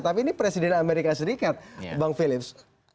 tapi ini presiden amerika serikat bang philips